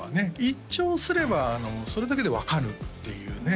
一聴すればそれだけで分かるっていうね